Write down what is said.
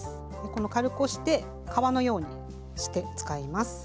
軽く押して皮のようにして使います。